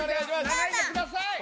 長いのください